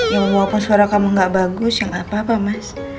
ya walaupun suara kamu enggak bagus ya enggak apa apa mas